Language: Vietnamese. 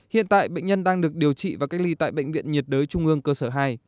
hiện tại bệnh nhân đang được điều trị và cách ly tại bệnh viện nhiệt đới trung ương cơ sở hai